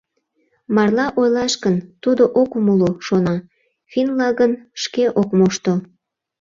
Марла ойлаш гын, тудо ок умыло, шона, финнла гын, шке ок мошто.